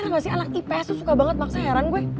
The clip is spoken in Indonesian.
gak sih anak ips itu suka banget maksa heran gue